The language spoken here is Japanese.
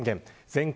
全国